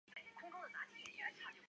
看起来怵目惊心